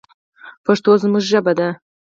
پښتو زموږ ژبه ده